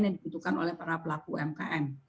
yang dibutuhkan oleh para pelaku umkm